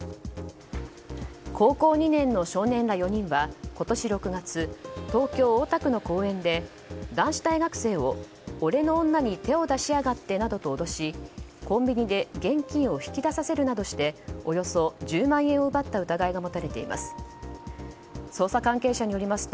高校２年の少年ら４人は今年６月、東京・大田区の公園で男子大学生を俺の女に手を出しやがってなどと脅しコンビニで現金を引き出させるなどしておよそ１０万円を奪った疑いが持たれています。